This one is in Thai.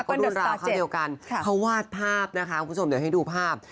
ก็ดูราเขาเดียวกันเขาวาดภาพนะคะคุณผู้ชมเดี๋ยวให้ดูภาพ